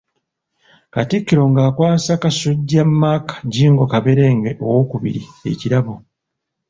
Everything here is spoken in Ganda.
Katikkiro ng'akwasa Kasujju Mark Jjingo Kaberenge owookubiri ekirabo.